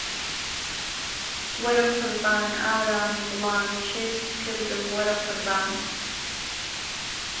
وهره قوربان ئارامی دڵان، شێتت کردم وهره قوربان